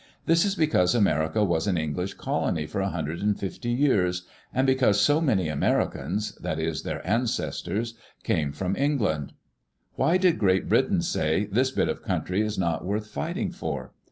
This is because America was an English colony for a hundred and fifty years, and because so many Americans — that is, their ancestors — came from England. Why did Great Britain say, " This bit of country is not worth fighting for"